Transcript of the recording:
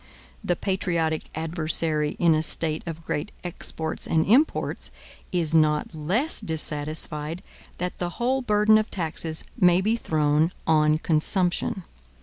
The patriotic adversary in a State of great exports and imports, is not less dissatisfied that the whole burden of taxes may be thrown on consumption.